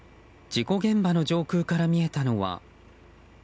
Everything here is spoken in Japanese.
事故現場の上空から見えたのは。